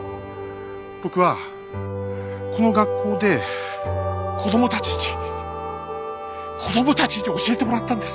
僕はこの学校で子供たちに子供たちに教えてもらったんです。